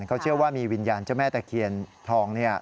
เขาเชื่อว่ามีวิญญาณเจ้าแม่ตะเคียนทอง